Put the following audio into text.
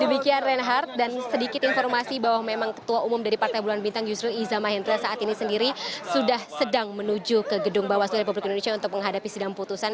demikian reinhardt dan sedikit informasi bahwa memang ketua umum dari partai bulan bintang yusril iza mahendra saat ini sendiri sudah sedang menuju ke gedung bawaslu republik indonesia untuk menghadapi sidang putusan